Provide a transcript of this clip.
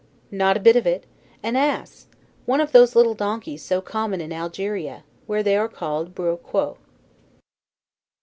Not a bit of it! An ass! one of those little donkeys so common in Algeria, where they are called bourriquots.